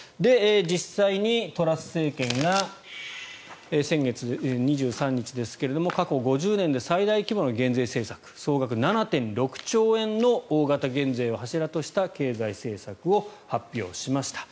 実際にトラス政権が先月２３日ですが過去５０年で最大規模の減税政策総額７．６兆円の大型減税を柱とした経済政策を発表しました。